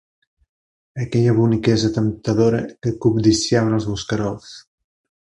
Aquella boniquesa temptadora que cobdiciaven els bosquerols.